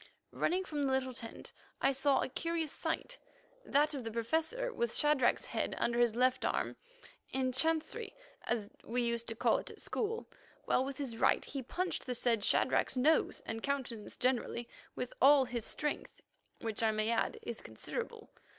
Running from the little tent, I saw a curious sight, that of the Professor with Shadrach's head under his left arm, in chancery, as we used to call it at school, while with his right he punched the said Shadrach's nose and countenance generally with all his strength, which, I may add, is considerable.